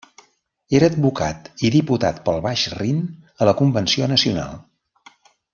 Era advocat i diputat pel Baix Rin a la Convenció Nacional.